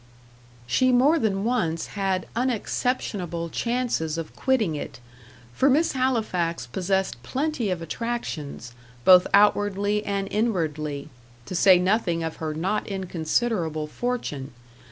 She more than once had unexceptionable chances of quitting it; for Miss Halifax possessed plenty of attractions, both outwardly and inwardly, to say nothing of her not inconsiderable fortune.